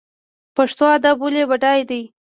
پښتو ادب ولې بډای دی؟